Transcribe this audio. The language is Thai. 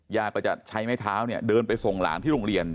ยาก็จะใช้ไม้เท้าเนี่ยเดินไปส่งหลานที่โรงเรียน